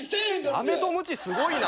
アメとムチすごいな。